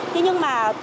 thế nhưng mà